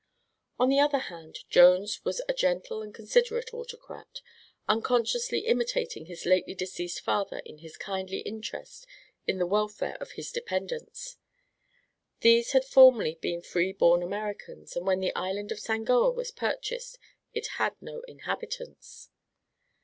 On the other hand, Jones was a gentle and considerate autocrat, unconsciously imitating his lately deceased father in his kindly interest in the welfare of all his dependents. These had formerly been free born Americans, for when the Island of Sangoa was purchased it had no inhabitants.